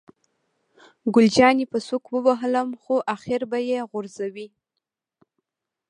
ګل جانې په سوک ووهلم، خو آخر به یې غورځوي.